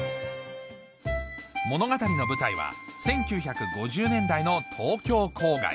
物語の舞台は１９５０年代の東京郊外